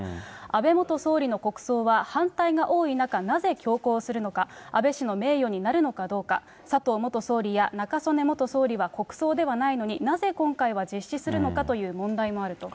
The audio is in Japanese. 安倍元総理の国葬は反対が多い中、なぜ強行するのか、安倍氏の名誉になるのかどうか、佐藤元総理や中曽根元総理は国葬ではないのに、なぜ今回は実施するのかという問題もあると。